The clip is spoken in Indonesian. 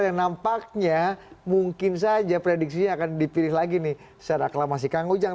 yang nampaknya mungkin saja prediksinya akan dipilih lagi nih secara aklamasi kang ujang